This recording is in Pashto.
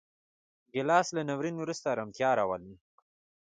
ګیلاس له ناورین وروسته ارامتیا راولي.